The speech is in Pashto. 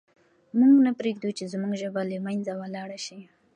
موږ نه پرېږدو چې زموږ ژبه له منځه ولاړه سي.